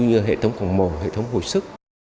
như hệ thống khổng mồ hệ thống hồi sức